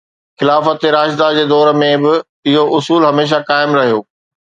خلافت راشده جي دور ۾ به اهو اصول هميشه قائم رهيو